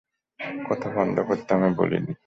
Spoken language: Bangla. কথা বন্ধ করতে আমি বলি নে।